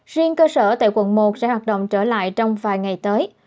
riêng cơ sở tại quận một sẽ hoạt động trở lại trong vài ngày tới